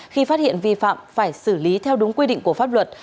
khi phát hiện vi phạm phải xử lý theo đúng quy định của pháp luật